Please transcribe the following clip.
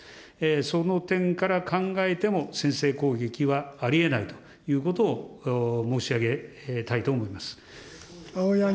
その点から考えても、先制攻撃はありえないということを申し上げたいと思います。